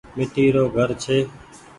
ميٽي رو گهر ڇي۔